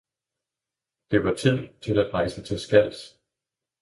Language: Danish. Det var tid til at rejse til Skals